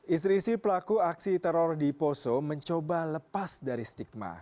istri istri pelaku aksi teror di poso mencoba lepas dari stigma